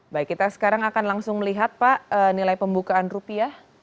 baik kita sekarang akan langsung melihat pak nilai pembukaan rupiah